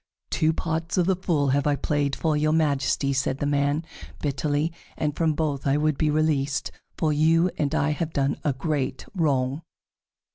"Two parts of the Fool have I played for your Majesty," said the man bitterly, "and from both I would be released, for you and I have done a great wrong."